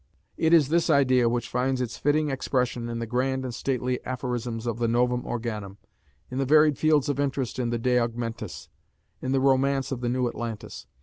It is this idea which finds its fitting expression in the grand and stately aphorisms of the Novum Organum, in the varied fields of interest in the De Augmentis, in the romance of the New Atlantis.